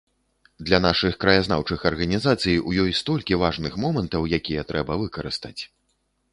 Для нашых краязнаўчых арганізацый у ёй столькі важных момантаў, якія трэба выкарыстаць.